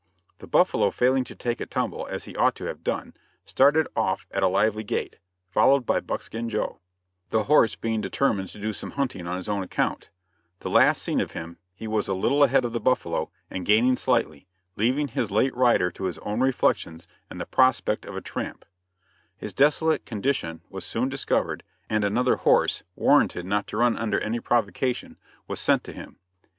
The buffalo failing to take a tumble, as he ought to have done, started off at a lively gait, followed by Buckskin Joe the horse being determined to do some hunting on his own account the last seen of him, he was a little ahead of the buffalo, and gaining slightly, leaving his late rider to his own reflections and the prospect of a tramp; his desolate condition was soon discovered and another horse warranted not to run under any provocation, was sent to him.